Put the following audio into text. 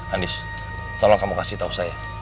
andis tolong kamu kasih tau saya